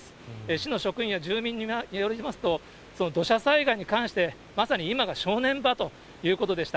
市の職員や住民によりますと、その土砂災害に関して、まさに今が正念場ということでした。